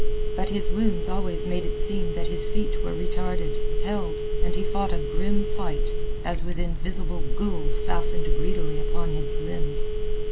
But his wounds always made it seem that his feet were retarded, held, and he fought a grim fight, as with invisible ghouls fastened greedily upon his limbs.